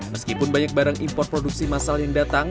meskipun banyak barang impor produksi masal yang datang